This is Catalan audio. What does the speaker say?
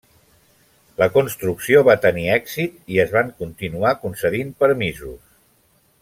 La construcció va tenir èxit i es van continuar concedint permisos.